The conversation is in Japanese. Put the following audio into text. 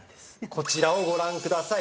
こちらをご覧ください。